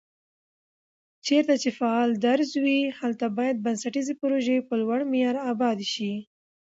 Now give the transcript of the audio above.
چېرته چې فعال درز وي، هلته باید بنسټيزې پروژي په لوړ معیار آبادې شي